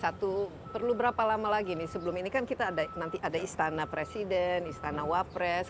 satu perlu berapa lama lagi nih sebelum ini kan kita ada nanti ada istana presiden istana wapres